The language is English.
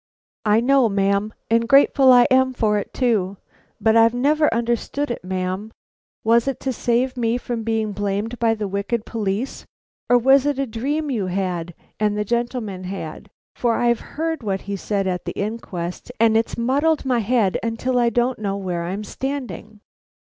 "I know, ma'am, and grateful I am for it, too; but I've never understood it, ma'am. Was it to save me from being blamed by the wicked police, or was it a dream you had, and the gentleman had, for I've heard what he said at the inquest, and it's muddled my head till I don't know where I'm standing."